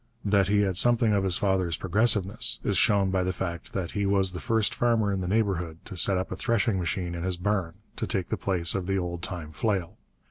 That he had something of his father's progressiveness is shown by the fact that he was the first farmer in the neighbourhood to set up a threshing machine in his barn, to take the place of the old time flail.